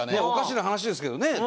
おかしな話ですけどね。